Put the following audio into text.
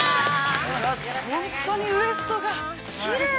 ◆本当にウエストがきれい。